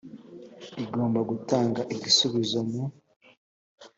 igomba gutanga igisubizo mu